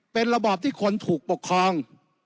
เป็นระบอบที่คนถูกปกครอง